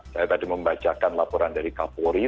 saya tadi membacakan laporan dari kapolri